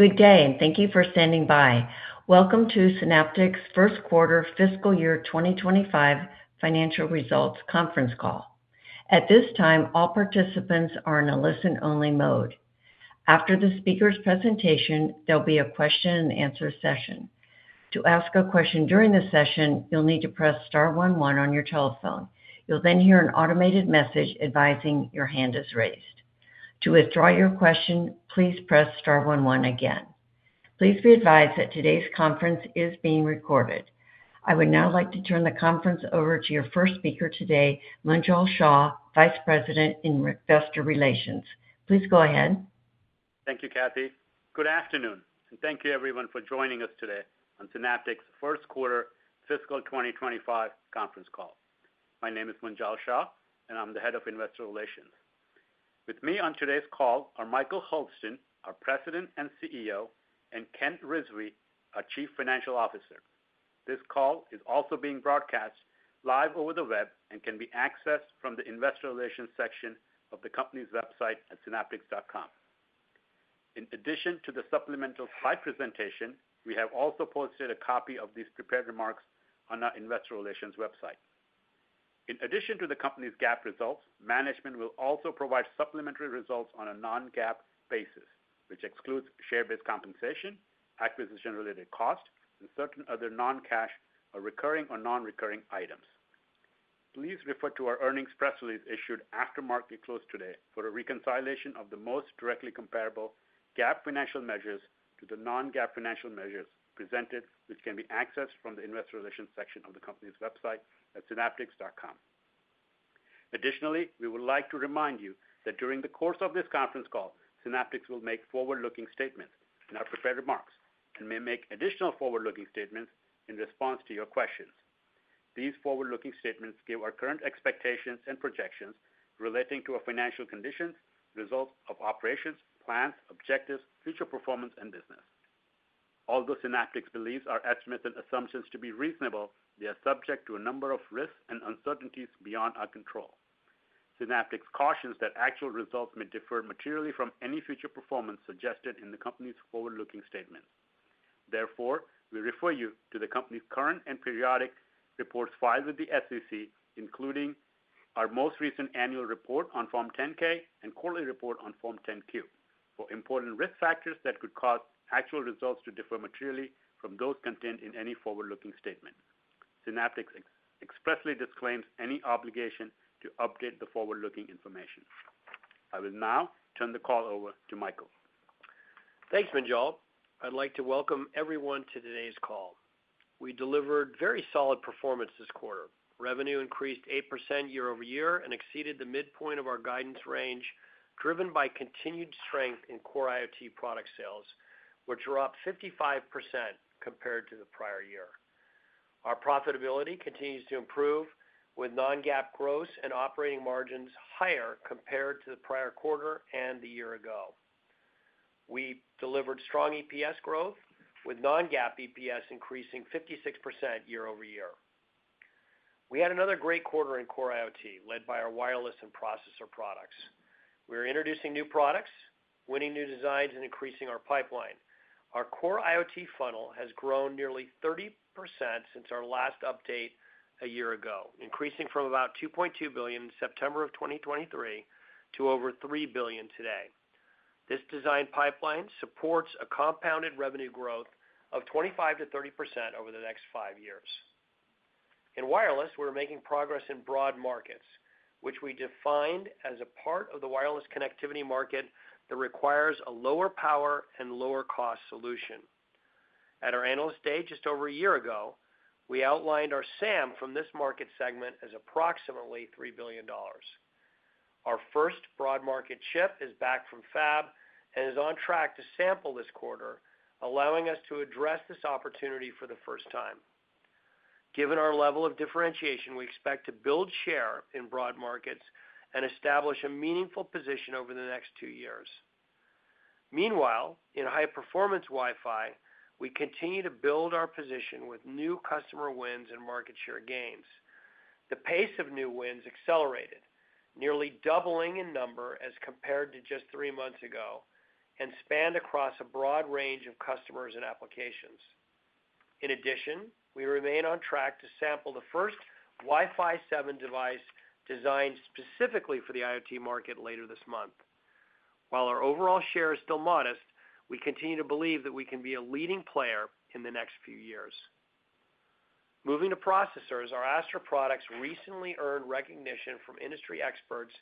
Good day, and thank you for standing by. Welcome to Synaptics' first quarter fiscal year 2025 financial results conference call. At this time, all participants are in a listen-only mode. After the speaker's presentation, there'll be a question-and-answer session. To ask a question during the session, you'll need to press star one one on your telephone. You'll then hear an automated message advising your hand is raised. To withdraw your question, please press star one one again. Please be advised that today's conference is being recorded. I would now like to turn the conference over to your first speaker today, Munjal Shah, Vice President in Investor Relations. Please go ahead. Thank you, Kathy. Good afternoon, and thank you, everyone, for joining us today on Synaptics' first quarter fiscal 2025 conference call. My name is Munjal Shah, and I'm the head of Investor Relations. With me on today's call are Michael Hurlston, our President and CEO, and Ken Rizvi, our Chief Financial Officer. This call is also being broadcast live over the web and can be accessed from the Investor Relations section of the company's website at synaptics.com. In addition to the supplemental slide presentation, we have also posted a copy of these prepared remarks on our Investor Relations website. In addition to the company's GAAP results, management will also provide supplementary results on a non-GAAP basis, which excludes share-based compensation, acquisition-related cost, and certain other non-cash or recurring or non-recurring items. Please refer to our earnings press release issued after market close today for a reconciliation of the most directly comparable GAAP financial measures to the non-GAAP financial measures presented, which can be accessed from the Investor Relations section of the company's website at synaptics.com. Additionally, we would like to remind you that during the course of this conference call, Synaptics will make forward-looking statements in our prepared remarks and may make additional forward-looking statements in response to your questions. These forward-looking statements give our current expectations and projections relating to our financial conditions, results of operations, plans, objectives, future performance, and business. Although Synaptics believes our estimates and assumptions to be reasonable, they are subject to a number of risks and uncertainties beyond our control. Synaptics cautions that actual results may differ materially from any future performance suggested in the company's forward-looking statements. Therefore, we refer you to the company's current and periodic reports filed with the SEC, including our most recent annual report on Form 10-K and quarterly report on Form 10-Q, for important risk factors that could cause actual results to differ materially from those contained in any forward-looking statement. Synaptics expressly disclaims any obligation to update the forward-looking information. I will now turn the call over to Michael. Thanks, Munjal. I'd like to welcome everyone to today's call. We delivered very solid performance this quarter. Revenue increased 8% year-over-year and exceeded the midpoint of our guidance range, driven by continued strength in core IoT product sales, which are up 55% compared to the prior year. Our profitability continues to improve, with Non-GAAP gross and operating margins higher compared to the prior quarter and the year ago. We delivered strong EPS growth, with Non-GAAP EPS increasing 56% year-over-year. We had another great quarter in core IoT, led by our wireless and processor products. We are introducing new products, winning new designs, and increasing our pipeline. Our core IoT funnel has grown nearly 30% since our last update a year ago, increasing from about 2.2 billion in September of 2023 to over 3 billion today. This design pipeline supports a compounded revenue growth of 25%-30% over the next five years. In wireless, we're making progress in broad markets, which we defined as a part of the wireless connectivity market that requires a lower power and lower cost solution. At our analyst day just over a year ago, we outlined our SAM from this market segment as approximately $3 billion. Our first broad market chip is back from fab and is on track to sample this quarter, allowing us to address this opportunity for the first time. Given our level of differentiation, we expect to build share in broad markets and establish a meaningful position over the next two years. Meanwhile, in high-performance Wi-Fi, we continue to build our position with new customer wins and market share gains. The pace of new wins accelerated, nearly doubling in number as compared to just three months ago, and spanned across a broad range of customers and applications. In addition, we remain on track to sample the first Wi-Fi 7 device designed specifically for the IoT market later this month. While our overall share is still modest, we continue to believe that we can be a leading player in the next few years. Moving to processors, our Astra products recently earned recognition from industry experts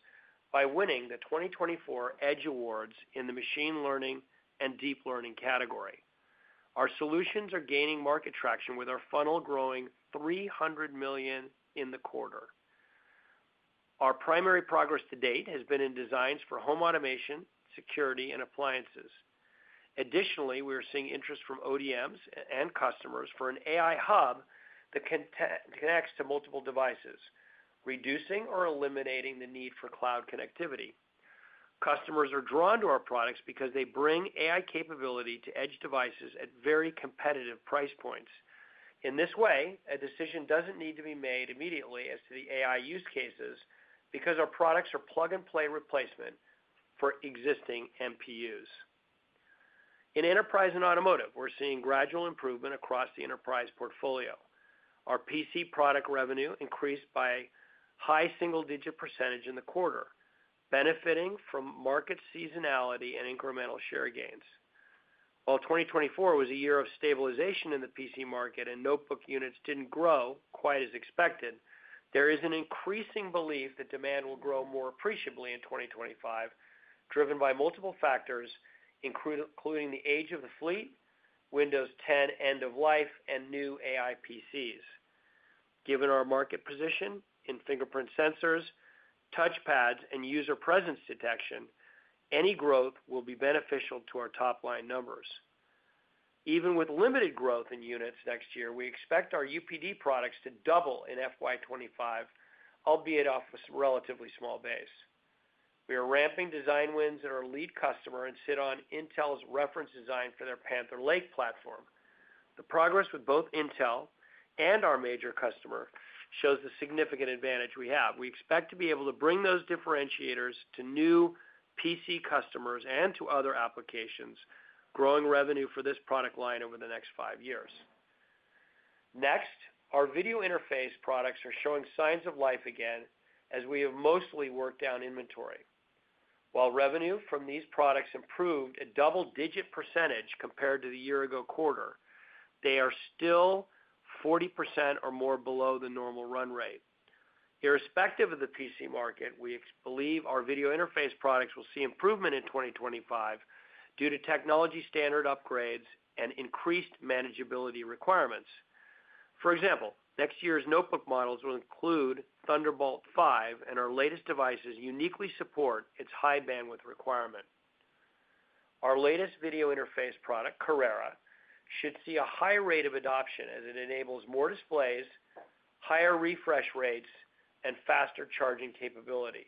by winning the 2024 Edge Awards in the machine learning and deep learning category. Our solutions are gaining market traction with our funnel growing 300 million in the quarter. Our primary progress to date has been in designs for home automation, security, and appliances. Additionally, we are seeing interest from ODMs and customers for an AI Hub that connects to multiple devices, reducing or eliminating the need for cloud connectivity. Customers are drawn to our products because they bring AI capability to edge devices at very competitive price points. In this way, a decision doesn't need to be made immediately as to the AI use cases because our products are plug-and-play replacement for existing MPUs. In enterprise and automotive, we're seeing gradual improvement across the enterprise portfolio. Our PC product revenue increased by a high single-digit % in the quarter, benefiting from market seasonality and incremental share gains. While 2024 was a year of stabilization in the PC market and notebook units didn't grow quite as expected, there is an increasing belief that demand will grow more appreciably in 2025, driven by multiple factors, including the age of the fleet, Windows 10 end of life, and new AI PCs. Given our market position in fingerprint sensors, touchpads, and user presence detection, any growth will be beneficial to our top-line numbers. Even with limited growth in units next year, we expect our UPD products to double in FY25, albeit off a relatively small base. We are ramping design wins at our lead customer and sit on Intel's reference design for their Panther Lake platform. The progress with both Intel and our major customer shows the significant advantage we have. We expect to be able to bring those differentiators to new PC customers and to other applications, growing revenue for this product line over the next five years. Next, our video interface products are showing signs of life again as we have mostly worked down inventory. While revenue from these products improved a double-digit percentage compared to the year-ago quarter, they are still 40% or more below the normal run rate. Irrespective of the PC market, we believe our video interface products will see improvement in 2025 due to technology standard upgrades and increased manageability requirements. For example, next year's notebook models will include Thunderbolt 5, and our latest devices uniquely support its high-bandwidth requirement. Our latest video interface product, Carrera, should see a high rate of adoption as it enables more displays, higher refresh rates, and faster charging capability.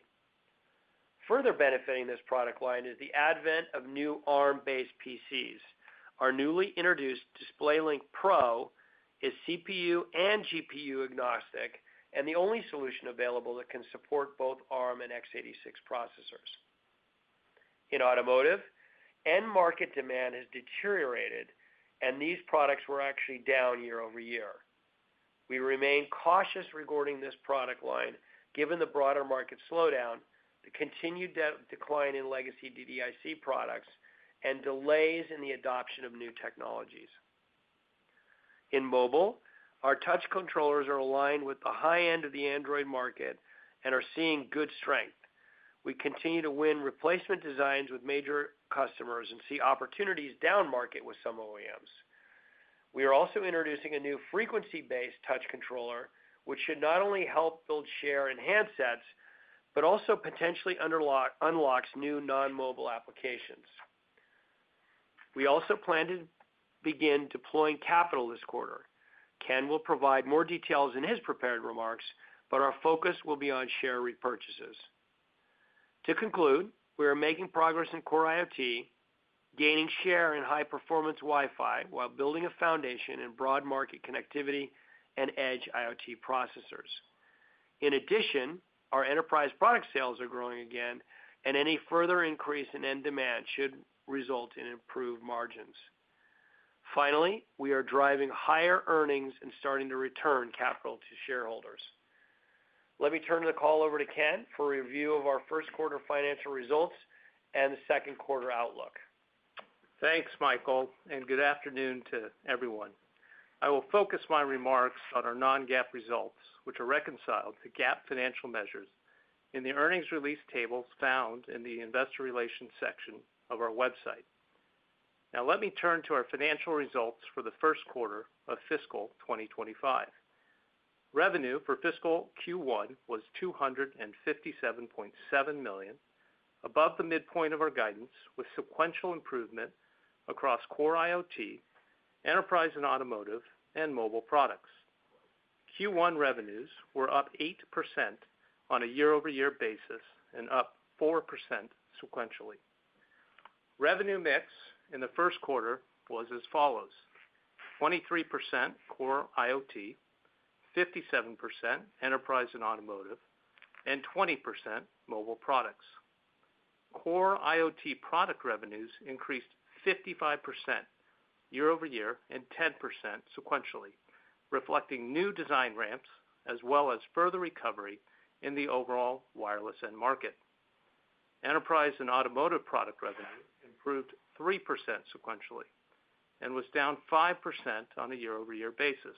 Further benefiting this product line is the advent of new ARM-based PCs. Our newly introduced DisplayLink Pro is CPU and GPU agnostic and the only solution available that can support both ARM and x86 processors. In automotive, end-market demand has deteriorated, and these products were actually down year-over-year. We remain cautious regarding this product line given the broader market slowdown, the continued decline in legacy DDIC products, and delays in the adoption of new technologies. In mobile, our touch controllers are aligned with the high end of the Android market and are seeing good strength. We continue to win replacement designs with major customers and see opportunities down market with some OEMs. We are also introducing a new frequency-based touch controller, which should not only help build share in handsets, but also potentially unlocks new non-mobile applications. We also plan to begin deploying capital this quarter. Ken will provide more details in his prepared remarks, but our focus will be on share repurchases. To conclude, we are making progress in core IoT, gaining share in high-performance Wi-Fi while building a foundation in broad market connectivity and edge IoT processors. In addition, our enterprise product sales are growing again, and any further increase in end demand should result in improved margins. Finally, we are driving higher earnings and starting to return capital to shareholders. Let me turn the call over to Ken for a review of our first quarter financial results and the second quarter outlook. Thanks, Michael, and good afternoon to everyone. I will focus my remarks on our non-GAAP results, which are reconciled to GAAP financial measures in the earnings release tables found in the Investor Relations section of our website. Now, let me turn to our financial results for the first quarter of fiscal 2025. Revenue for fiscal Q1 was $257.7 million, above the midpoint of our guidance, with sequential improvement across core IoT, enterprise and automotive, and mobile products. Q1 revenues were up 8% on a year-over-year basis and up 4% sequentially. Revenue mix in the first quarter was as follows: 23% core IoT, 57% enterprise and automotive, and 20% mobile products. Core IoT product revenues increased 55% year-over-year and 10% sequentially, reflecting new design ramps as well as further recovery in the overall wireless end market. Enterprise and automotive product revenue improved 3% sequentially and was down 5% on a year-over-year basis.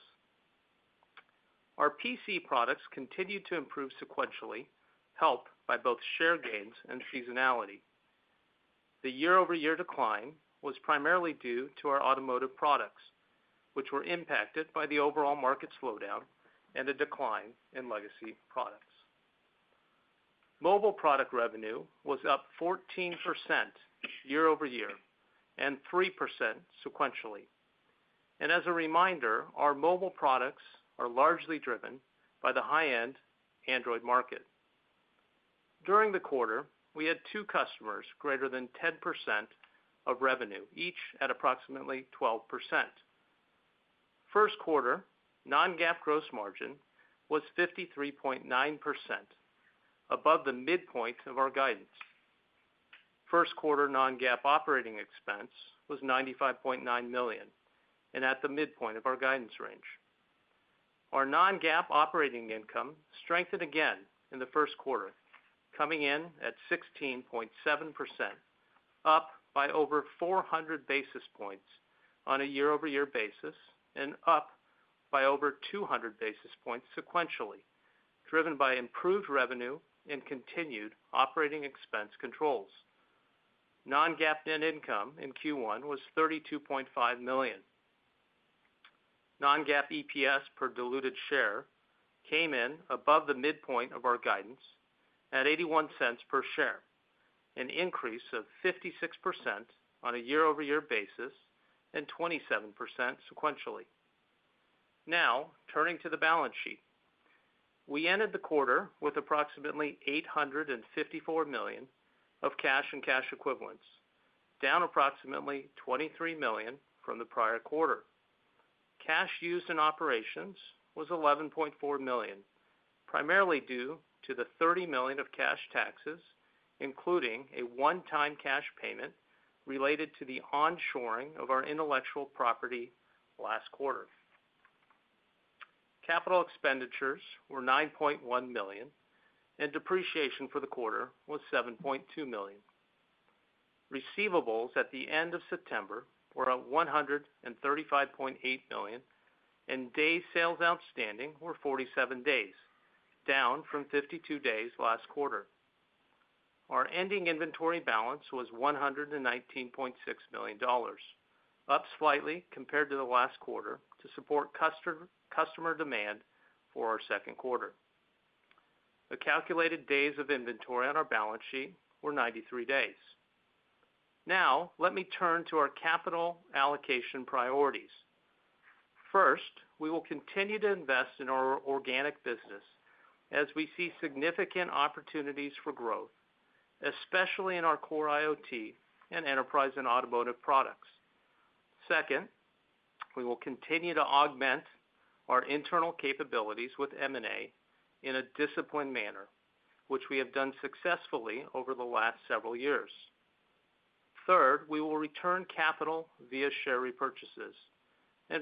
Our PC products continued to improve sequentially, helped by both share gains and seasonality. The year-over-year decline was primarily due to our automotive products, which were impacted by the overall market slowdown and a decline in legacy products. Mobile product revenue was up 14% year-over-year and 3% sequentially, and as a reminder, our mobile products are largely driven by the high-end Android market. During the quarter, we had two customers greater than 10% of revenue, each at approximately 12%. First quarter Non-GAAP gross margin was 53.9%, above the midpoint of our guidance. First quarter Non-GAAP operating expense was $95.9 million and at the midpoint of our guidance range. Our non-GAAP operating income strengthened again in the first quarter, coming in at 16.7%, up by over 400 basis points on a year-over-year basis and up by over 200 basis points sequentially, driven by improved revenue and continued operating expense controls. Non-GAAP net income in Q1 was $32.5 million. Non-GAAP EPS per diluted share came in above the midpoint of our guidance at $0.81 per share, an increase of 56% on a year-over-year basis and 27% sequentially. Now, turning to the balance sheet, we ended the quarter with approximately $854 million of cash and cash equivalents, down approximately $23 million from the prior quarter. Cash used in operations was $11.4 million, primarily due to the $30 million of cash taxes, including a one-time cash payment related to the onshoring of our intellectual property last quarter. Capital expenditures were $9.1 million, and depreciation for the quarter was $7.2 million. Receivables at the end of September were $135.8 million, and days sales outstanding were 47 days, down from 52 days last quarter. Our ending inventory balance was $119.6 million, up slightly compared to the last quarter to support customer demand for our second quarter. The calculated days of inventory on our balance sheet were 93 days. Now, let me turn to our capital allocation priorities. First, we will continue to invest in our organic business as we see significant opportunities for growth, especially in our core IoT and enterprise and automotive products. Second, we will continue to augment our internal capabilities with M&A in a disciplined manner, which we have done successfully over the last several years. Third, we will return capital via share repurchases.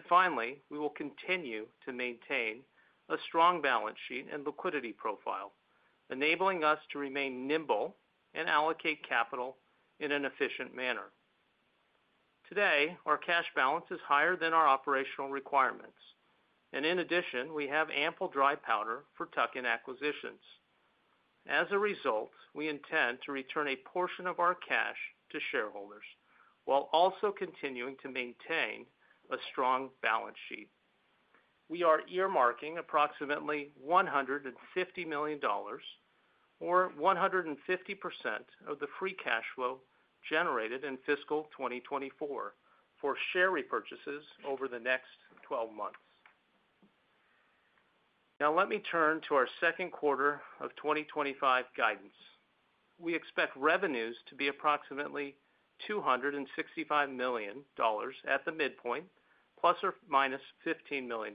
Finally, we will continue to maintain a strong balance sheet and liquidity profile, enabling us to remain nimble and allocate capital in an efficient manner. Today, our cash balance is higher than our operational requirements, and in addition, we have ample dry powder for tuck-in acquisitions. As a result, we intend to return a portion of our cash to shareholders while also continuing to maintain a strong balance sheet. We are earmarking approximately $150 million, or 150% of the free cash flow generated in fiscal 2024, for share repurchases over the next 12 months. Now, let me turn to our second quarter of 2025 guidance. We expect revenues to be approximately $265 million at the midpoint, plus or minus $15 million.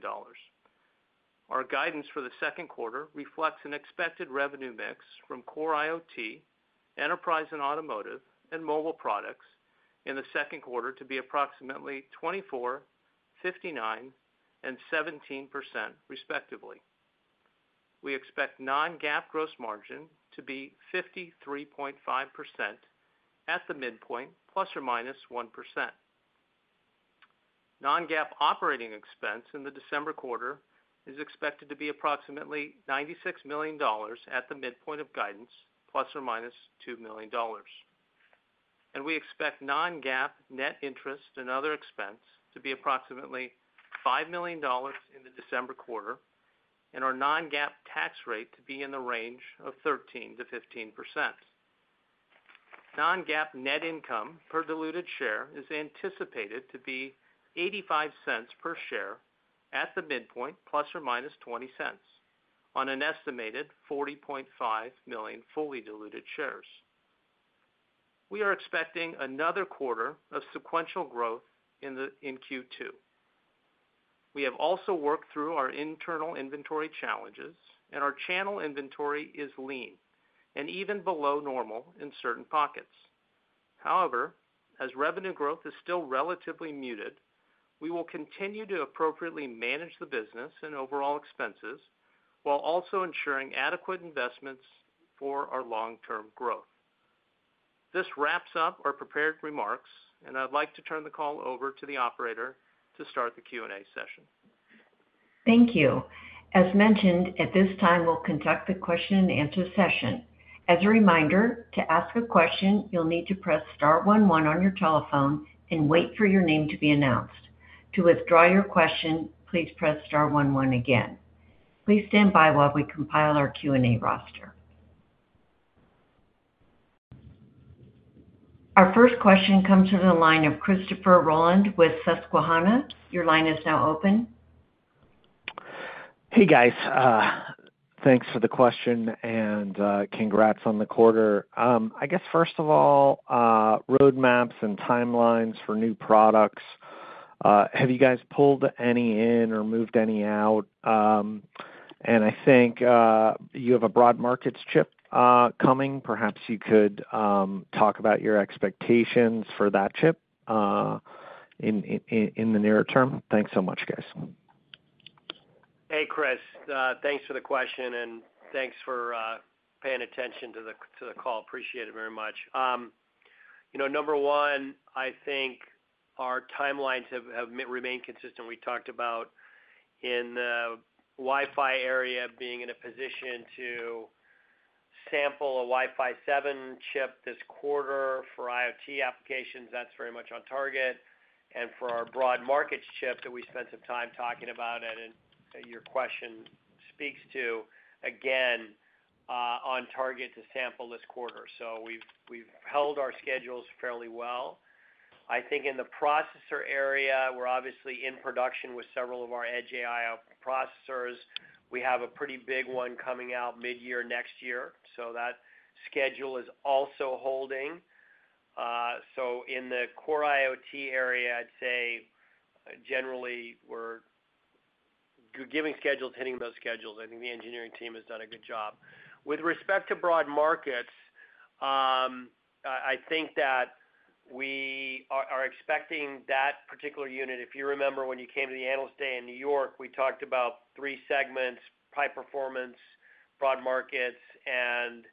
Our guidance for the second quarter reflects an expected revenue mix from core IoT, enterprise and automotive, and mobile products in the second quarter to be approximately 24%, 59%, and 17% respectively. We expect non-GAAP gross margin to be 53.5% at the midpoint, plus or minus 1%. Non-GAAP operating expense in the December quarter is expected to be approximately $96 million at the midpoint of guidance, plus or minus $2 million. We expect non-GAAP net interest and other expense to be approximately $5 million in the December quarter and our non-GAAP tax rate to be in the range of 13%-15%. Non-GAAP net income per diluted share is anticipated to be $0.85 per share at the midpoint, plus or minus $0.20 on an estimated 40.5 million fully diluted shares. We are expecting another quarter of sequential growth in Q2. We have also worked through our internal inventory challenges, and our channel inventory is lean and even below normal in certain pockets. However, as revenue growth is still relatively muted, we will continue to appropriately manage the business and overall expenses while also ensuring adequate investments for our long-term growth. This wraps up our prepared remarks, and I'd like to turn the call over to the operator to start the Q&A session. Thank you. As mentioned, at this time, we'll conduct the question-and-answer session. As a reminder, to ask a question, you'll need to press Star one one on your telephone and wait for your name to be announced. To withdraw your question, please press star one one again. Please stand by while we compile our Q&A roster. Our first question comes from the line of Christopher Rolland with Susquehanna. Your line is now open. Hey, guys. Thanks for the question and congrats on the quarter. I guess, first of all, roadmaps and timelines for new products. Have you guys pulled any in or moved any out? And I think you have a broad markets chip coming. Perhaps you could talk about your expectations for that chip in the nearer term. Thanks so much, guys. Hey, Chris. Thanks for the question, and thanks for paying attention to the call. Appreciate it very much. Number one, I think our timelines have remained consistent. We talked about in the Wi-Fi area being in a position to sample a Wi-Fi 7 chip this quarter for IoT applications. That's very much on target. And for our broad markets chip that we spent some time talking about, and your question speaks to, again, on target to sample this quarter. So we've held our schedules fairly well. I think in the processor area, we're obviously in production with several of our edge AI processors. We have a pretty big one coming out mid-year next year, so that schedule is also holding. So in the core IoT area, I'd say generally we're giving schedules, hitting those schedules. I think the engineering team has done a good job. With respect to broad markets, I think that we are expecting that particular unit. If you remember when you came to the analyst day in New York, we talked about three segments: high performance, broad markets, and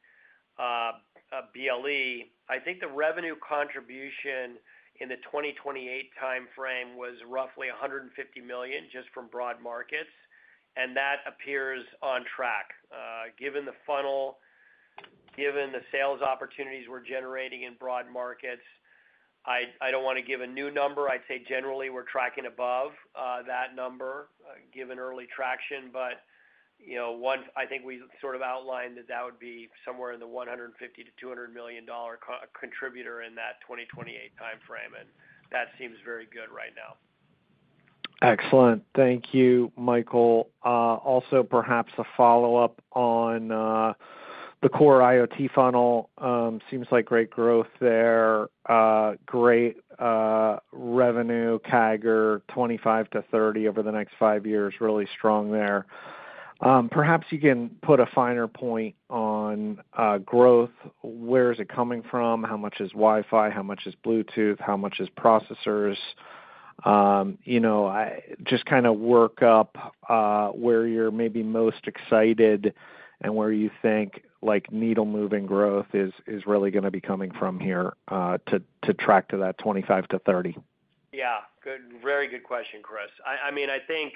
BLE. I think the revenue contribution in the 2028 timeframe was roughly $150 million just from broad markets, and that appears on track. Given the funnel, given the sales opportunities we're generating in broad markets, I don't want to give a new number. I'd say generally we're tracking above that number, given early traction. But I think we sort of outlined that that would be somewhere in the $150-$200 million contributor in that 2028 timeframe, and that seems very good right now. Excellent. Thank you, Michael. Also, perhaps a follow-up on the core IoT funnel. Seems like great growth there. Great revenue, CAGR, 25%-30% over the next five years, really strong there. Perhaps you can put a finer point on growth. Where is it coming from? How much is Wi-Fi? How much is Bluetooth? How much is processors? Just kind of work up where you're maybe most excited and where you think needle-moving growth is really going to be coming from here to track to that 25%-30%. Yeah. Very good question, Chris. I mean, I think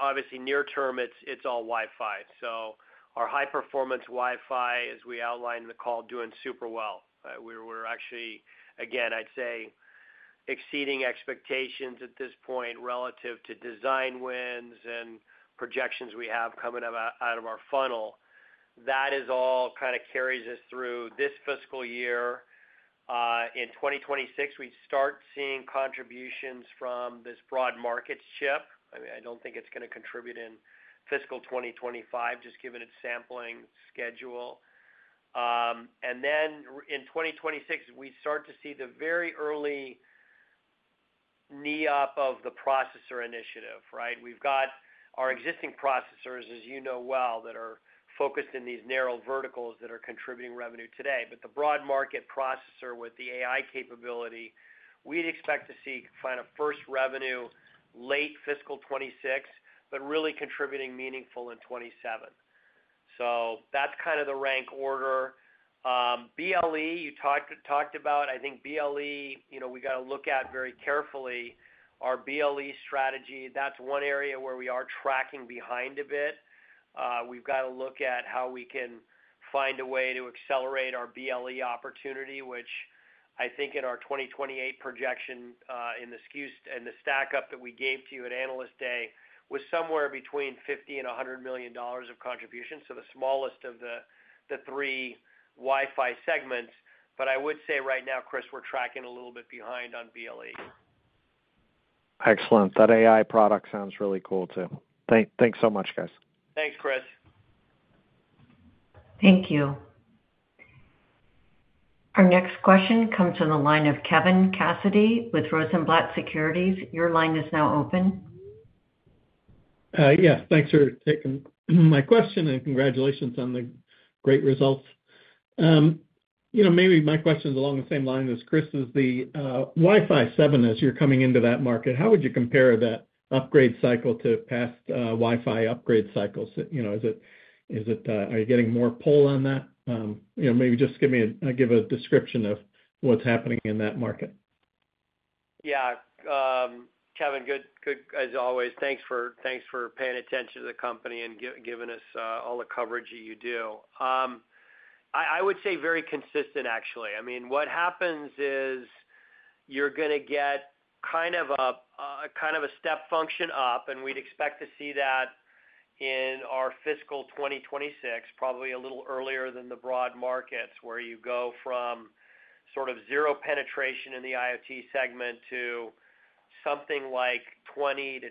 obviously near-term, it's all Wi-Fi. So our high-performance Wi-Fi, as we outlined in the call, doing super well. We're actually, again, I'd say exceeding expectations at this point relative to design wins and projections we have coming out of our funnel. That is all kind of carries us through this fiscal year. In 2026, we start seeing contributions from this broad markets chip. I mean, I don't think it's going to contribute in fiscal 2025, just given its sampling schedule. And then in 2026, we start to see the very early knee-up of the processor initiative, right? We've got our existing processors, as you know well, that are focused in these narrow verticals that are contributing revenue today. But the broad market processor with the AI capability, we'd expect to see kind of first revenue late fiscal 2026, but really contributing meaningful in 2027. So that's kind of the rank order. BLE, you talked about. I think BLE, we got to look at very carefully our BLE strategy. That's one area where we are tracking behind a bit. We've got to look at how we can find a way to accelerate our BLE opportunity, which I think in our 2028 projection and the stack-up that we gave to you at analyst day was somewhere between $50 million and $100 million of contributions, so the smallest of the three Wi-Fi segments. But I would say right now, Chris, we're tracking a little bit behind on BLE. Excellent. That AI product sounds really cool too. Thanks so much, guys. Thanks, Chris. Thank you. Our next question comes from the line of Kevin Cassidy with Rosenblatt Securities. Your line is now open. Yeah. Thanks for taking my question and congratulations on the great results. Maybe my question is along the same line as Chris's. The Wi-Fi 7, as you're coming into that market, how would you compare that upgrade cycle to past Wi-Fi upgrade cycles? Are you getting more pull on that? Maybe just give me a description of what's happening in that market. Yeah. Kevin, good as always. Thanks for paying attention to the company and giving us all the coverage you do. I would say very consistent, actually. I mean, what happens is you're going to get kind of a step function up, and we'd expect to see that in our fiscal 2026, probably a little earlier than the broad markets, where you go from sort of zero penetration in the IoT segment to something like 20%-25%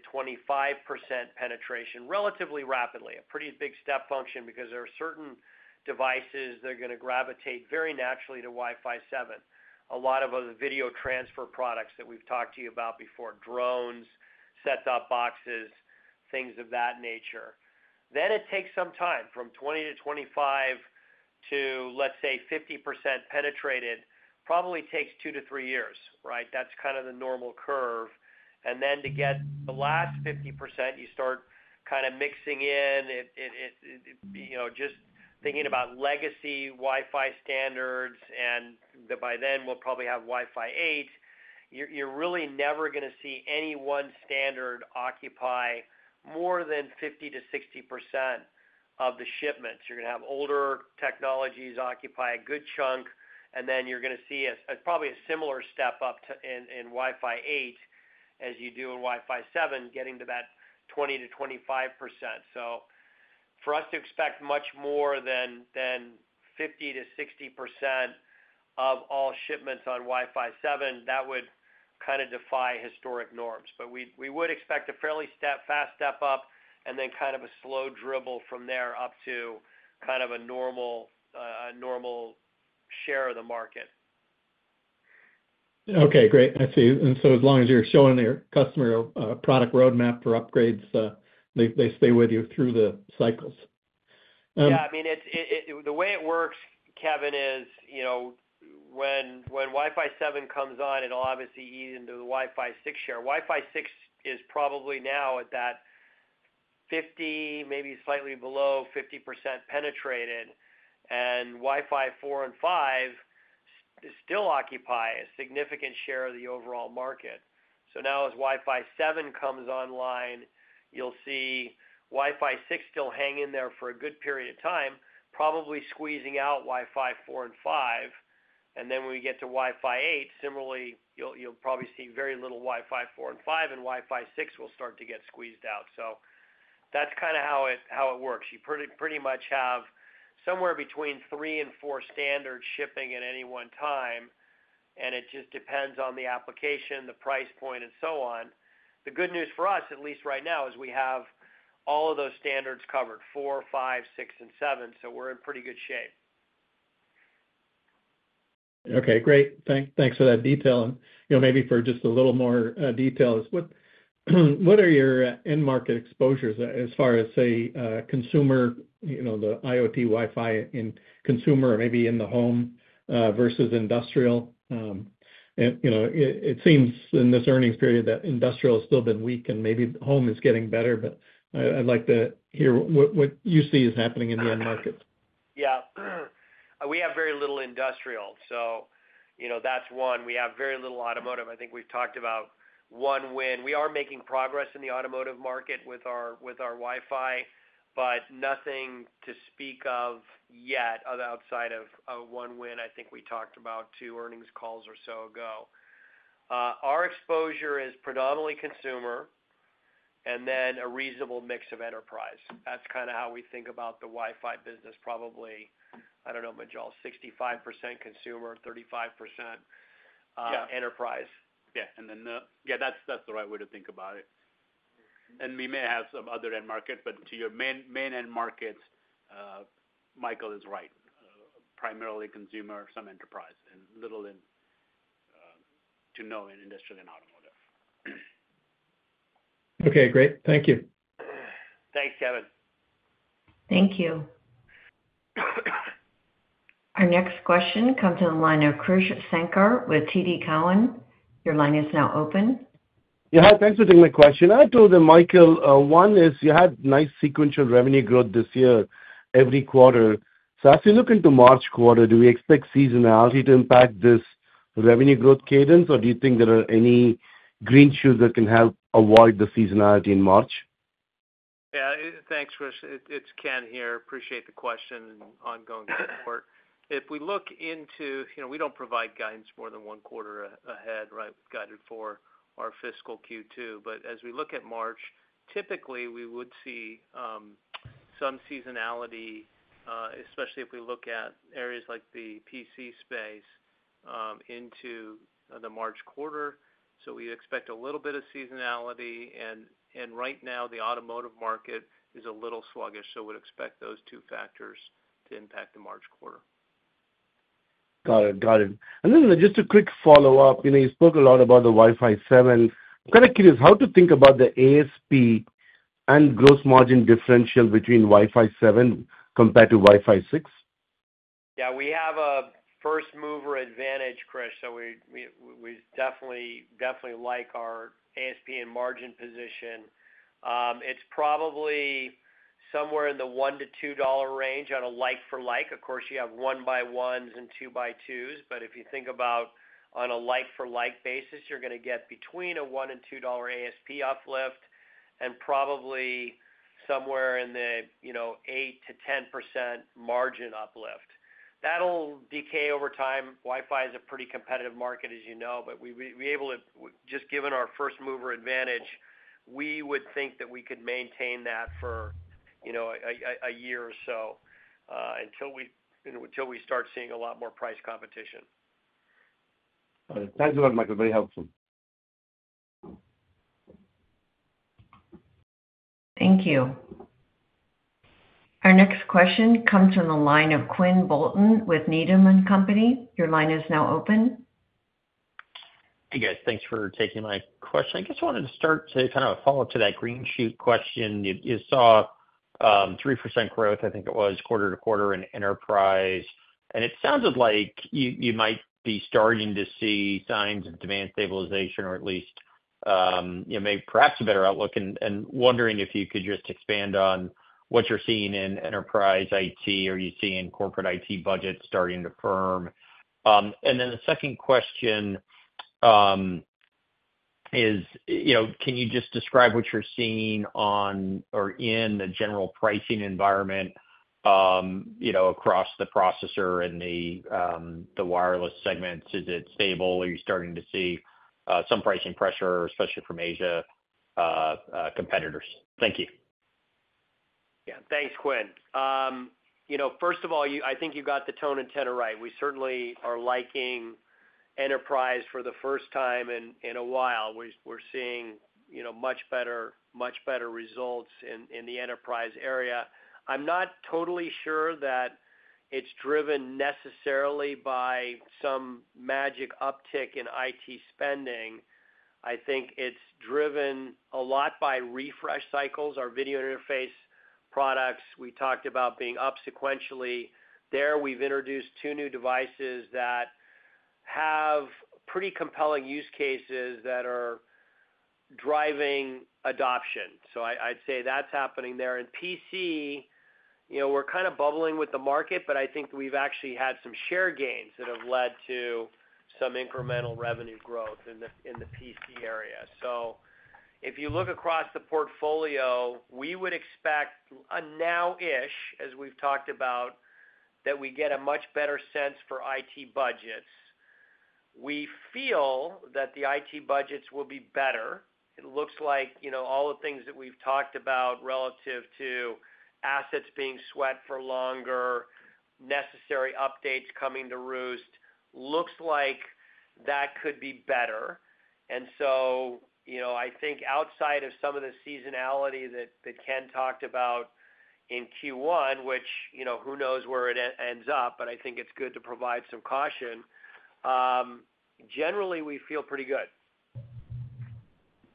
penetration relatively rapidly. A pretty big step function because there are certain devices that are going to gravitate very naturally to Wi-Fi 7. A lot of the video transfer products that we've talked to you about before, drones, set-top boxes, things of that nature. Then it takes some time from 20%-25% to, let's say, 50% penetrated. Probably takes two to three years, right? That's kind of the normal curve. And then to get the last 50%, you start kind of mixing in, just thinking about legacy Wi-Fi standards, and by then we'll probably have Wi-Fi 8. You're really never going to see any one standard occupy more than 50%-60% of the shipments. You're going to have older technologies occupy a good chunk, and then you're going to see probably a similar step up in Wi-Fi 8 as you do in Wi-Fi 7, getting to that 20%-25%. So for us to expect much more than 50%-60% of all shipments on Wi-Fi 7, that would kind of defy historic norms. But we would expect a fairly fast step up and then kind of a slow dribble from there up to kind of a normal share of the market. Okay. Great. I see, and so as long as you're showing your customer a product roadmap for upgrades, they stay with you through the cycles. Yeah. I mean, the way it works, Kevin, is when Wi-Fi 7 comes on, it'll obviously ease into the Wi-Fi 6 share. Wi-Fi 6 is probably now at that 50%, maybe slightly below 50% penetrated, and Wi-Fi 4 and 5 still occupy a significant share of the overall market. So now as Wi-Fi 7 comes online, you'll see Wi-Fi 6 still hang in there for a good period of time, probably squeezing out Wi-Fi 4 and 5. And then when we get to Wi-Fi 8, similarly, you'll probably see very little Wi-Fi 4 and 5, and Wi-Fi 6 will start to get squeezed out. So that's kind of how it works. You pretty much have somewhere between three and four standards shipping at any one time, and it just depends on the application, the price point, and so on. The good news for us, at least right now, is we have all of those standards covered: four, five, six, and seven, so we're in pretty good shape. Okay. Great. Thanks for that detail and maybe for just a little more detail, what are your end market exposures as far as, say, consumer, the IoT Wi-Fi in consumer or maybe in the home versus industrial? It seems in this earnings period that industrial has still been weak, and maybe home is getting better, but I'd like to hear what you see is happening in the end market. Yeah. We have very little industrial. So that's one. We have very little automotive. I think we've talked about one win. We are making progress in the automotive market with our Wi-Fi, but nothing to speak of yet outside of one win. I think we talked about two earnings calls or so ago. Our exposure is predominantly consumer and then a reasonable mix of enterprise. That's kind of how we think about the Wi-Fi business, probably, I don't know, Munjal, 65% consumer, 35% enterprise. Yeah. And then, yeah, that's the right way to think about it. And we may have some other end markets, but to your main end markets, Michael is right, primarily consumer, some enterprise, and little to no in industrial and automotive. Okay. Great. Thank you. Thanks, Kevin. Thank you. Our next question comes from the line of Krish Sankar with TD Cowen. Your line is now open. Yeah. Hi. Thanks for taking my question. I had told Michael, one is you had nice sequential revenue growth this year every quarter. So as we look into March quarter, do we expect seasonality to impact this revenue growth cadence, or do you think there are any green shoots that can help avoid the seasonality in March? Yeah. Thanks, Chris. It's Ken here. Appreciate the question and ongoing support. If we look into it, we don't provide guidance more than one quarter ahead, right, guided for our fiscal Q2. But as we look at March, typically we would see some seasonality, especially if we look at areas like the PC space into the March quarter. So we expect a little bit of seasonality. And right now, the automotive market is a little sluggish, so we'd expect those two factors to impact the March quarter. Got it. Got it. And then just a quick follow-up. You spoke a lot about the Wi-Fi 7. I'm kind of curious how to think about the ASP and gross margin differential between Wi-Fi 7 compared to Wi-Fi 6? Yeah. We have a first mover advantage, Chris. So we definitely like our ASP and margin position. It's probably somewhere in the $1-$2 range on a like-for-like. Of course, you have one-by-ones and two-by-twos, but if you think about on a like-for-like basis, you're going to get between a $1 and $2 ASP uplift and probably somewhere in the 8%-10% margin uplift. That'll decay over time. Wi-Fi is a pretty competitive market, as you know, but we'll be able to, just given our first mover advantage, we would think that we could maintain that for a year or so until we start seeing a lot more price competition. Got it. Thanks a lot, Michael. Very helpful. Thank you. Our next question comes from the line of Quinn Bolton with Needham & Company. Your line is now open. Hey, guys. Thanks for taking my question. I guess I wanted to start to kind of follow up to that green shoot question. You saw 3% growth, I think it was, quarter to quarter in enterprise. And it sounded like you might be starting to see signs of demand stabilization, or at least maybe perhaps a better outlook, and wondering if you could just expand on what you're seeing in enterprise IT or you see in corporate IT budgets starting to firm. And then the second question is, can you just describe what you're seeing on or in the general pricing environment across the processor and the wireless segments? Is it stable, or are you starting to see some pricing pressure, especially from Asian competitors? Thank you. Yeah. Thanks, Quinn. First of all, I think you got the tone and tenor right. We certainly are liking enterprise for the first time in a while. We're seeing much better results in the enterprise area. I'm not totally sure that it's driven necessarily by some magic uptick in IT spending. I think it's driven a lot by refresh cycles. Our video interface products, we talked about being up sequentially. There, we've introduced two new devices that have pretty compelling use cases that are driving adoption. So I'd say that's happening there. In PC, we're kind of bubbling with the market, but I think we've actually had some share gains that have led to some incremental revenue growth in the PC area. So if you look across the portfolio, we would expect a low-ish, as we've talked about, that we get a much better sense for IT budgets. We feel that the IT budgets will be better. It looks like all the things that we've talked about relative to assets being sweat for longer, necessary updates coming to roost, looks like that could be better, and so I think outside of some of the seasonality that Ken talked about in Q1, which who knows where it ends up, but I think it's good to provide some caution. Generally, we feel pretty good.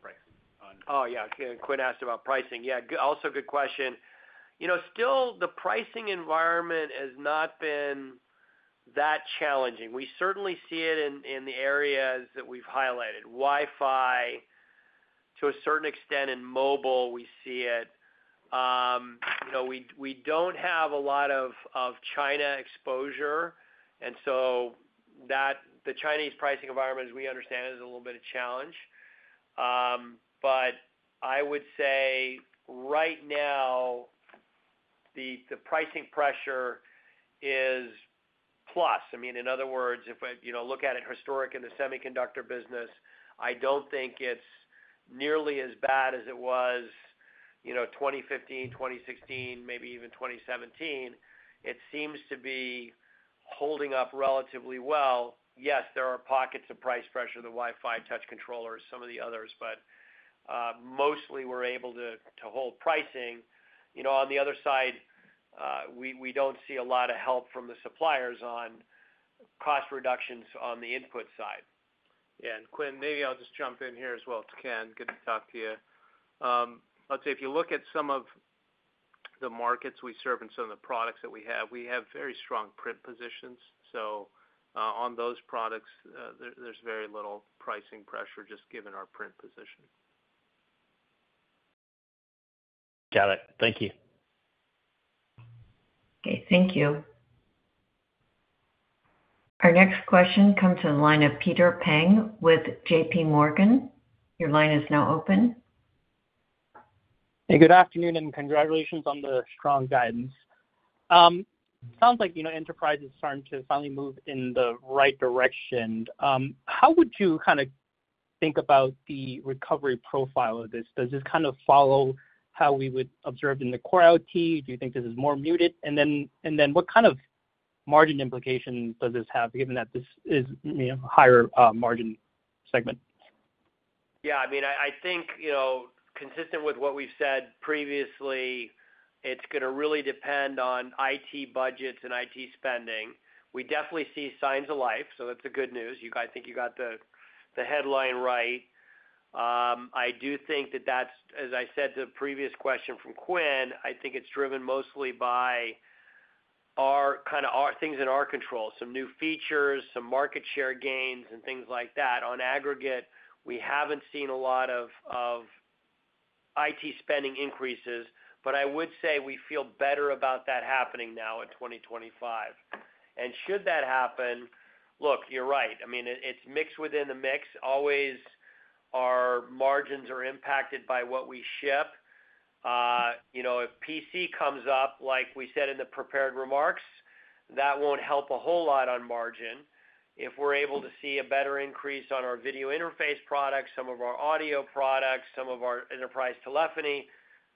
Pricing on. Oh, yeah. Quinn asked about pricing. Yeah. Also, good question. Still, the pricing environment has not been that challenging. We certainly see it in the areas that we've highlighted. Wi-Fi, to a certain extent, and mobile, we see it. We don't have a lot of China exposure, and so the Chinese pricing environment, as we understand it, is a little bit of challenge. But I would say right now, the pricing pressure is plus. I mean, in other words, if we look at it historic in the semiconductor business, I don't think it's nearly as bad as it was 2015, 2016, maybe even 2017. It seems to be holding up relatively well. Yes, there are pockets of price pressure, the Wi-Fi, touch controllers, some of the others, but mostly we're able to hold pricing. On the other side, we don't see a lot of help from the suppliers on cost reductions on the input side. Yeah. And Quinn, maybe I'll just jump in here as well to Ken. Good to talk to you. I'd say if you look at some of the markets we serve and some of the products that we have, we have very strong fingerprint positions. So on those products, there's very little pricing pressure just given our fingerprint position. Got it. Thank you. Okay. Thank you. Our next question comes from the line of Peter Peng with JPMorgan. Your line is now open. Hey, good afternoon, and congratulations on the strong guidance. Sounds like enterprises are starting to finally move in the right direction. How would you kind of think about the recovery profile of this? Does this kind of follow how we would observe in the core IoT? Do you think this is more muted? And then what kind of margin implications does this have, given that this is a higher margin segment? Yeah. I mean, I think consistent with what we've said previously, it's going to really depend on IT budgets and IT spending. We definitely see signs of life, so that's the good news. I think you got the headline right. I do think that that's, as I said to the previous question from Quinn, I think it's driven mostly by kind of things in our control, some new features, some market share gains, and things like that. On aggregate, we haven't seen a lot of IT spending increases, but I would say we feel better about that happening now in 2025. And should that happen, look, you're right. I mean, it's mixed within the mix. Always our margins are impacted by what we ship. If PC comes up, like we said in the prepared remarks, that won't help a whole lot on margin. If we're able to see a better increase on our video interface products, some of our audio products, some of our enterprise telephony,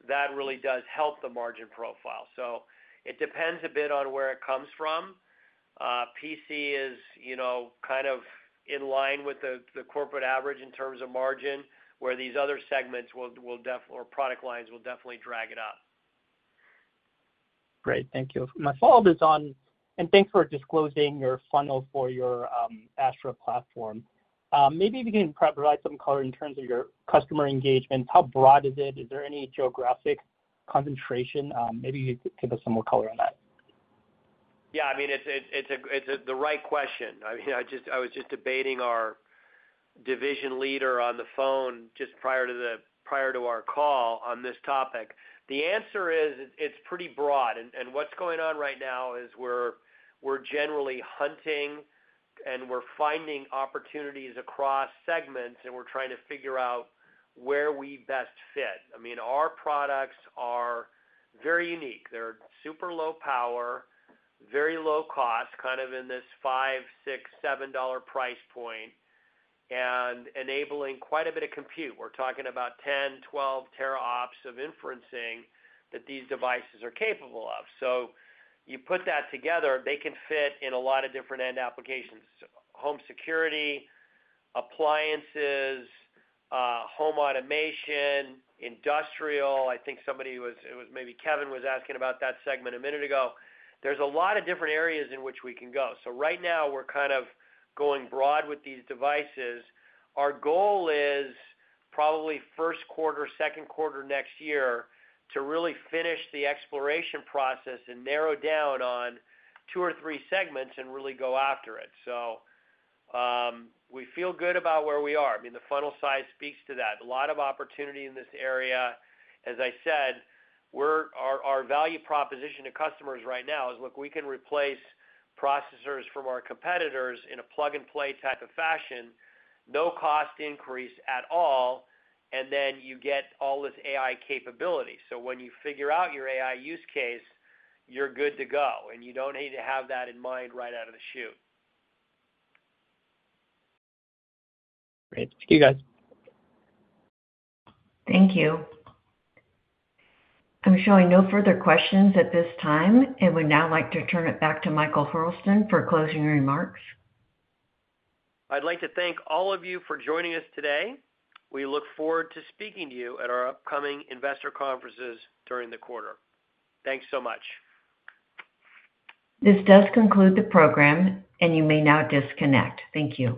that really does help the margin profile. So it depends a bit on where it comes from. PC is kind of in line with the corporate average in terms of margin, where these other segments or product lines will definitely drag it up. Great. Thank you. My follow-up is on, and thanks for disclosing your funnel for your Astra platform. Maybe if you can provide some color in terms of your customer engagement, how broad is it? Is there any geographic concentration? Maybe you could give us some more color on that. Yeah. I mean, it's the right question. I mean, I was just debating our division leader on the phone just prior to our call on this topic. The answer is it's pretty broad, and what's going on right now is we're generally hunting, and we're finding opportunities across segments, and we're trying to figure out where we best fit. I mean, our products are very unique. They're super low power, very low cost, kind of in this $5, $6, $7 price point, and enabling quite a bit of compute. We're talking about 10, 12 tera ops of inferencing that these devices are capable of. So you put that together, they can fit in a lot of different end applications: home security, appliances, home automation, industrial. I think somebody was—it was maybe Kevin was asking about that segment a minute ago. There's a lot of different areas in which we can go. So right now, we're kind of going broad with these devices. Our goal is probably first quarter, second quarter next year to really finish the exploration process and narrow down on two or three segments and really go after it. So we feel good about where we are. I mean, the funnel size speaks to that. A lot of opportunity in this area. As I said, our value proposition to customers right now is, look, we can replace processors from our competitors in a plug-and-play type of fashion, no cost increase at all, and then you get all this AI capability. So when you figure out your AI use case, you're good to go, and you don't need to have that in mind right out of the chute. Great. Thank you, guys. Thank you. I'm showing no further questions at this time, and would now like to turn it back to Michael Hurlston for closing remarks. I'd like to thank all of you for joining us today. We look forward to speaking to you at our upcoming investor conferences during the quarter. Thanks so much. This does conclude the program, and you may now disconnect. Thank you.